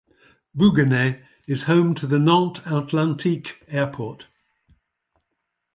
Bouguenais is home to the Nantes Atlantique Airport.